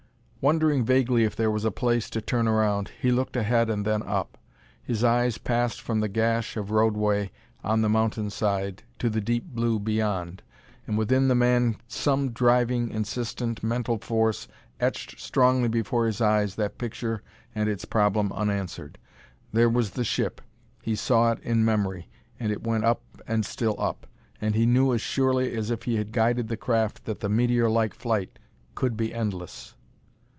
Wondering vaguely if there was a place to turn around, he looked ahead and then up; his eyes passed from the gash of roadway on the mountainside to the deep blue beyond. And within the man some driving, insistent, mental force etched strongly before his eyes that picture and its problem unanswered. There was the ship he saw it in memory and it went up and still up; and he knew as surely as if he had guided the craft that the meteor like flight could be endless.